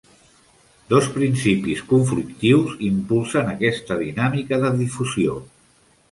Dos principis conflictius impulsen aquesta dinàmica de difusió.